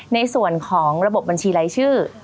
ในส่วนของระบบบัญชีรายชื่อ